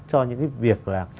cho những cái việc là